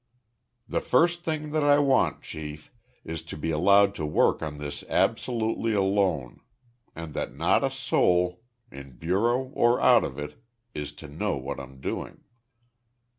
"The first thing that I want, Chief, is to be allowed to work on this absolutely alone, and that not a soul, in bureau or out of it is to know what I'm doing."